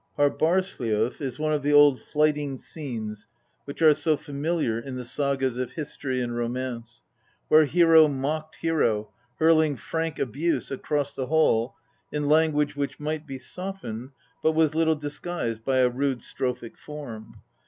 Harbarj>slj6}> is one of the old flyting scenes which are so familiar in the sagas of history and romance, where hero mocked hero, hurling frank abuse across the hall in language which might be softened, but was little disguised by a rude strophic form.